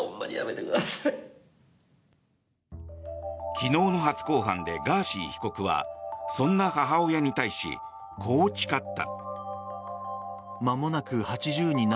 昨日の初公判でガーシー被告はそんな母親に対し、こう誓った。